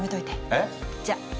えっ？じゃ。